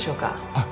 あっ。